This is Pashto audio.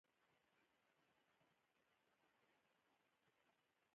دا د سازمان اهدافو ته د رسیدو لپاره دي.